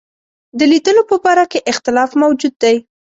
د لیدلو په باره کې اختلاف موجود دی.